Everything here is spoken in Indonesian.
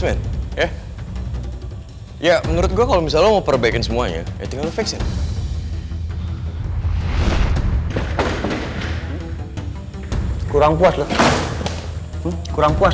men ya ya menurut gua kalau misalnya mau perbaikin semuanya ya tinggal fixin kurang puas